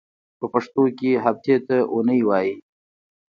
په پښتو کې هفتې ته اونۍ وایی.